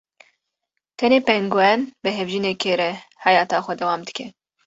tenê pengûen bi hevjînekê re heyeta xwe dewam dike.